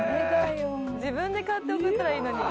自分で買って送ったらいいのに。